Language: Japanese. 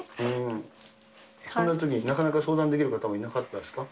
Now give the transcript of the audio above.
そんなとき、なかなか相談できる人もいなかったですか？